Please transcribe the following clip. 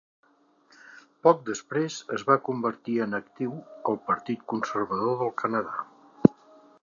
Poc després, es va convertir en actiu al Partit Conservador del Canadà.